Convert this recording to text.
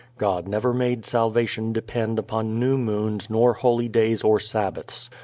God never made salvation depend upon new moons nor holy days or sabbaths.